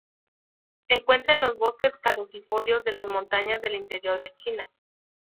Se encuentra en los bosques caducifolios de las montañas del interior de China.